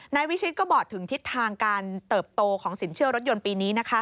นายวิชิตก็บอกถึงทิศทางการเติบโตของสินเชื่อรถยนต์ปีนี้